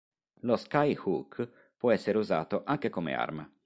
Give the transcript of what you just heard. Lo Sky-Hook può essere usato anche come arma.